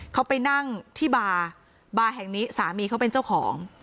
เขาไปนั่งที่บาร์บาร์แห่งนี้สามีเขาเป็นเจ้าของ